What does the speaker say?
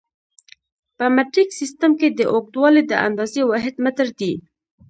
په مټریک سیسټم کې د اوږدوالي د اندازې واحد متر دی.